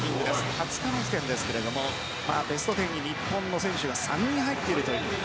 ２０日の時点ですけどもベスト１０に日本の選手が３人入っているという。